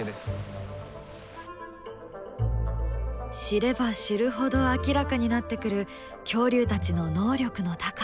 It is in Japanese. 知れば知るほど明らかになってくる恐竜たちの能力の高さ。